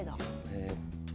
えっと。